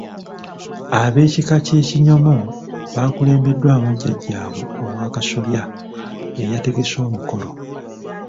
Ab’ekika ky’Ekinyomo baakulembeddwamu jjajjaabwe ow’Akasolya eyategese omukolo.